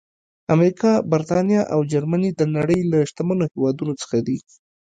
امریکا، برېټانیا او جرمني د نړۍ له شتمنو هېوادونو څخه دي.